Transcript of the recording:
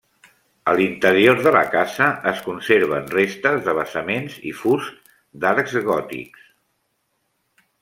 A l'interior de la casa es conserven restes de basaments i fusts d'arcs gòtics.